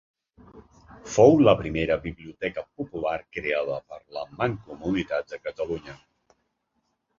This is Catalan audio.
Fou la primera biblioteca popular creada per la Mancomunitat de Catalunya.